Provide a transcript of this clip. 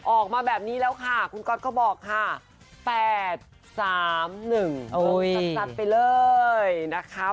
ออกมาแบบนี้แล้วค่ะคุณก๊อตก็บอกค่ะ๘๓๑จัดไปเลยนะคะ